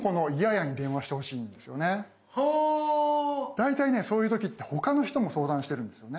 大体ねそういう時って他の人も相談してるんですよね。